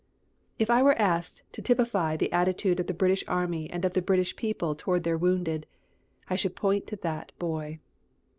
If I were asked to typify the attitude of the British Army and of the British people toward their wounded, I should point to that boy.